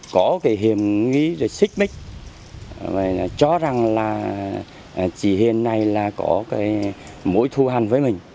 có hiểm nghĩ xích mích cho rằng là chỉ hiện nay là có mỗi thu hành với mình